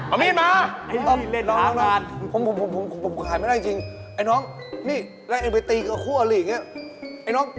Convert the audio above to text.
เออพี่ขายมีดให้น้องไม่ได้น้อง